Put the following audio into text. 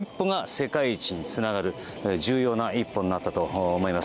この一歩が、世界一につながる重要な一歩になったと思います。